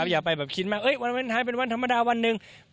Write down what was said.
อย่าไปคิดว่าวันวันท้ายเป็นวันธรรมดาวันหนึ่ง